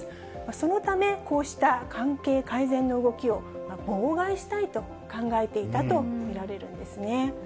そのため、こうした関係改善の動きを妨害したいと考えていたと見られるんですね。